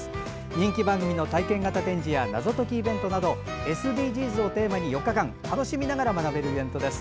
人気番組の体験型展示や謎解きイベントなどＳＤＧｓをテーマに４日間楽しみながら学べるイベントです。